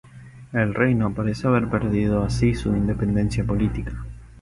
El reino parece haber perdido así su independencia política.